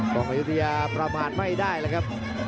ของอายุทยาประมาณไม่ได้เลยครับ